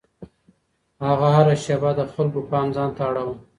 هغه هره شېبه د خلکو پام ځان ته اړاوه.